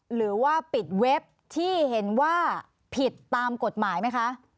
หรือว่าปิดเว็บที่เห็นว่าผิดตามกฎหมายไหมคะ